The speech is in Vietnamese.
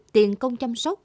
tiền công chăm sóc